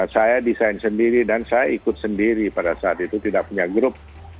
saya desain sendiri dan saya ikut sendiri pada saat itu tidak punya grup